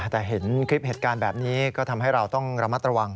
แต่เห็นคลิปเหตุการณ์แบบนี้ก็ทำให้เราต้องระมัดระวัง